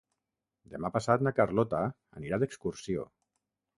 Demà passat na Carlota anirà d'excursió.